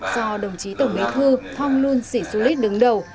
do đồng chí tổng bí thư thong lun sĩ sulit đứng đầu